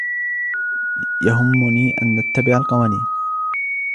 يهمّني أن نتبع القوانين.